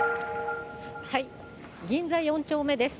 銀座４丁目です。